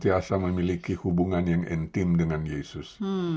tidak bisa memiliki hubungan yang intim dengan yesus